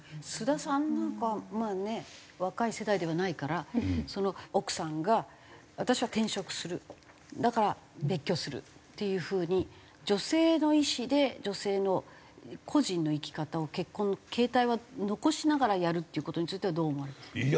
須田さんなんかまあね若い世代ではないから奥さんが私は転職するだから別居するっていう風に女性の意思で女性の個人の生き方を結婚の形態は残しながらやるっていう事についてはどう思われますか？